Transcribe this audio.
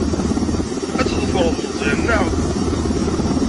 Ad tḍefreḍ Meẓyan, naɣ?